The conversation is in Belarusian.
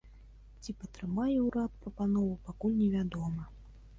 Ці патрымае ўрад прапанову, пакуль невядома.